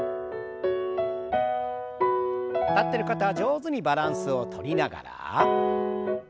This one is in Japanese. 立ってる方は上手にバランスをとりながら。